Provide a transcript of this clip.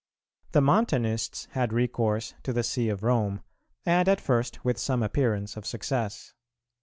The Montanists had recourse to the See of Rome, and at first with some appearance of success.